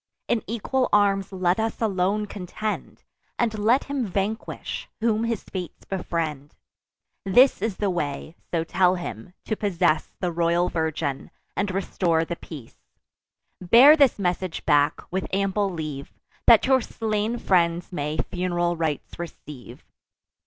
In equal arms let us alone contend; And let him vanquish, whom his fates befriend. This is the way (so tell him) to possess The royal virgin, and restore the peace. Bear this message back, with ample leave, That your slain friends may fun'ral rites receive."